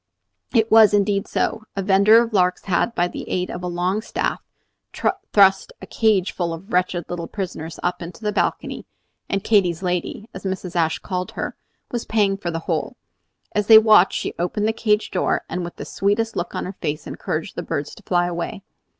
It was indeed so. A vender of larks had, by the aid of a long staff, thrust a cage full of wretched little prisoners up into the balcony; and "Katy's lady," as Mrs. Ashe called her, was paying for the whole. As they watched she opened the cage door, and with the sweetest look on her face encouraged the birds to fly away.